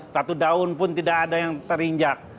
satu daun pun tidak ada yang terinjak